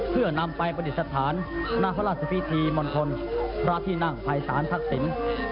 เพื่อนำไปประดิษฐานณพระราชพิธีมณฑลพระที่นั่งภายศาลทักษิณ